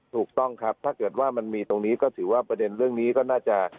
ถูกต้องครับถ้าเกิดว่ามันมีตรงนี้ก็ถือว่าประเด็นเรื่องนี้ก็น่าจะ